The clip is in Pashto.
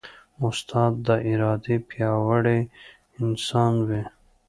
استاد د ارادې پیاوړی انسان وي.